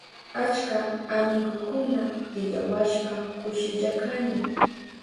Achka amigukuna tiyawashpan kushilla kani.